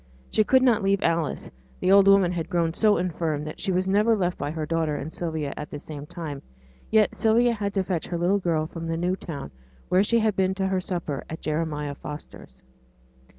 She could not leave Alice: the old woman had grown so infirm that she was never left by her daughter and Sylvia at the same time; yet Sylvia had to fetch her little girl from the New Town, where she had been to her supper at Jeremiah Foster's.